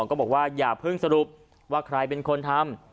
ก็บอกว่าอย่าเพิ่งสรุปว่าใครเป็นคนทำ